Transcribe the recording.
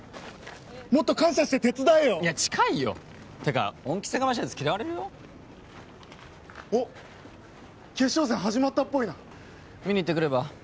もっと感謝して手伝えよいや近いよてか恩着せがましいやつ嫌われるよおっ決勝戦始まったっぽいな見にいってくれば？